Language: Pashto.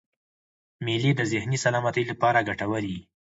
مېلې د ذهني سلامتۍ له پاره ګټوري يي.